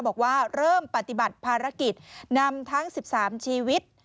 บอกว่าเริ่มปฏิบัติภารกิจนำทั้ง๑๓ชีวิต